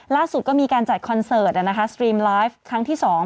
ล่าสุดก็มีการจัดคอนเสิร์ตสตรีมไลฟ์ครั้งที่๒